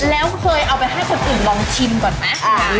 แล้วเคยเอาไปให้คนอื่นลองชิมก่อนไหม